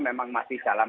memang masih dalam